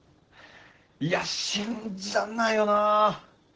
いや信じらんないよなあ。